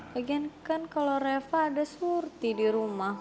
lagian kan kalo reva ada surti di rumah